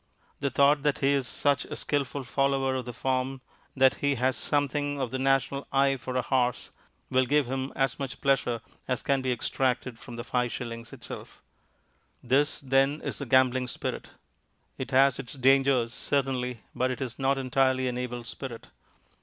The thought that he is such a skilful follower of form, that he has something of the national eye for a horse, will give him as much pleasure as can be extracted from the five shillings itself. This, then, is the gambling spirit. It has its dangers, certainly, hut it is not entirely an evil spirit.